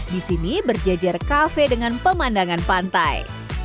di sini berjejer kafe dengan pemandangan pantai